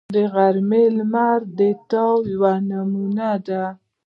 غرمه د لمر د تاو یوه نمونه ده